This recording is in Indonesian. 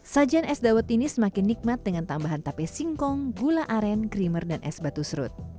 sajian es dawet ini semakin nikmat dengan tambahan tape singkong gula aren krimer dan es batu serut